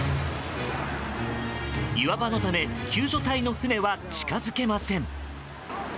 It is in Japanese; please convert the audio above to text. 岩場のため救助隊の船は近づけません。